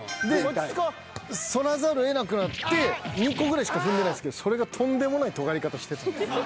で反らざるをえなくなって２個ぐらいしか踏んでないんですけどそれがとんでもないとがり方してたんですよ。